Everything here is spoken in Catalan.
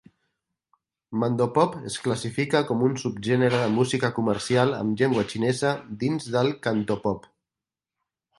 Mandopop es classifica com un subgènere de música comercial en llengua xinesa dins del Cantopop.